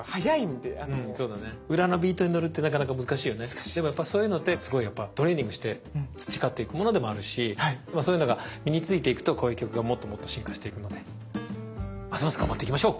でもやっぱそういうのってすごいトレーニングして培っていくものでもあるしそういうのが身についていくとこういう曲がもっともっと進化していくのでますます頑張っていきましょう。